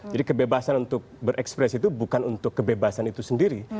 jadi kebebasan untuk berekspresi itu bukan untuk kebebasan itu sendiri